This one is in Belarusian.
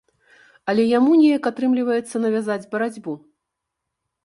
Але яму неяк атрымліваецца навязаць барацьбу.